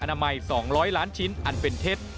นามัย๒๐๐ล้านชิ้นอันเป็นเท็จ